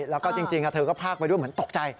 แล้วก็จริงเธอก็พากไปด้วยเหมือนตกใจ